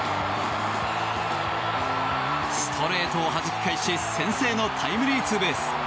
ストレートをはじき返し先制のタイムリーツーベース。